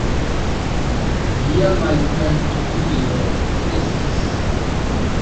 Lia maltrankvilo kreskis.